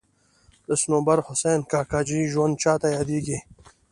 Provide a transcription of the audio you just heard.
د صنوبر حسین کاکاجي ژوند چاته یادېږي.